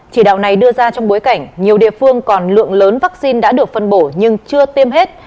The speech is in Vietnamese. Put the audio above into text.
chỉ đạo này đưa ra trong bối cảnh nhiều địa phương còn lượng lớn vaccine đã được phân bổ nhưng chưa tiêm hết